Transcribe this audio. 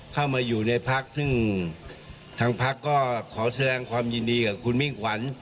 เข้ามาอยู่ในพักซึ่งทางพักก็ขอแสดงความยินดีกับคุณมิ่งขวัญ